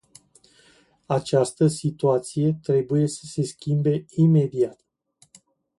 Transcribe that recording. Această situație trebuie să se schimbe imediat.